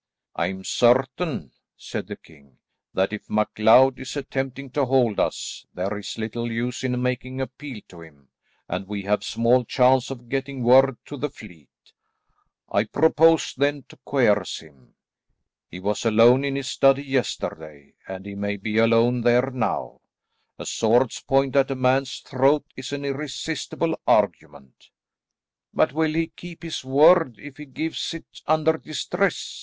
"I am certain," said the king, "that if MacLeod is attempting to hold us, there is little use in making appeal to him, and we have small chance of getting word to the fleet. I propose then to coerce him. He was alone in his study yesterday, and he may be alone there now. A sword's point at a man's throat is an irresistible argument." "But will he keep his word if he gives it under distress?"